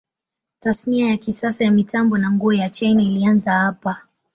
Tasnia ya kisasa ya mitambo na nguo ya China ilianza hapa.